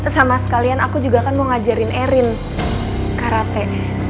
sama sekalian aku juga kan mau ngajarin erin karate